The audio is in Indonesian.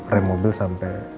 rem mobil sampai